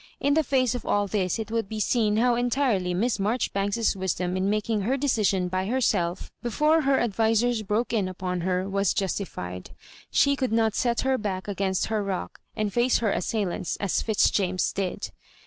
In the face of all this it will be seen how entirely Miss Marjoribanks's wisdom in making her deci sion by herself before hw advisers broke in upon her, was justified. She could not set her back against her rock, and face her aaaailanta. as Fits James did.